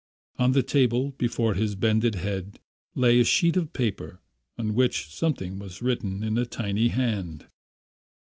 On the table, before his bended head, lay a sheet of paper on which something was written in a tiny hand.